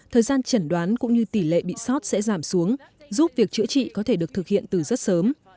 thời gian chẩn đoán cũng như tỷ lệ bị sót sẽ giảm xuống giúp việc chữa trị có thể được thực hiện từ rất sớm